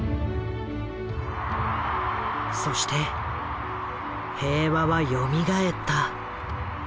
そして平和はよみがえった。